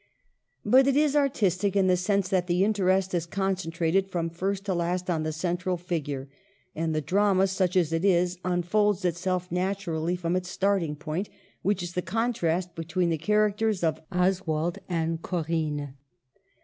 But it is artistic in the sense that the interest is concentrated from first to last on the central figure, and the drama, such as it is, unfolds itself naturally from its starting point, which is the contrast between the characters of Oswald and Corinne.